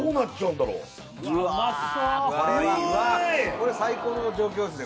これ最高の状況ですね